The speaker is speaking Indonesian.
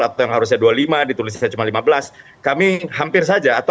atau yang harusnya dua lima